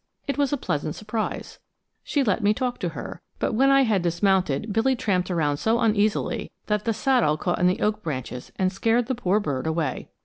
It was a pleasant surprise. She let me talk to her, but when I had dismounted Billy tramped around so uneasily that the saddle caught in the oak branches and scared the poor bird away.